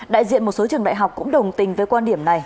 đại diện một số trường đại học cũng đồng tình với quan điểm này